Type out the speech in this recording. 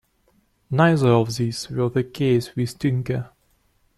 Neither of these were the case with Tinker.